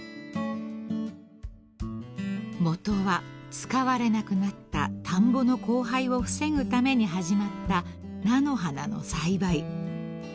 ［もとは使われなくなった田んぼの荒廃を防ぐために始まった菜の花の栽培］